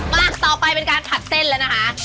มาต่อไปเป็นการผัดเส้นแล้วนะคะ